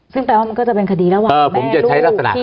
ซึ่งแปลว่ามันก็จะเป็นคดีระหว่างแม่ลูกพี่น้องเนี่ยโอเคป่ะคะ